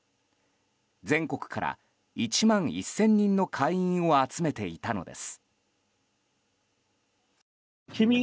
全国から１万１０００人の会員を集めていたのです。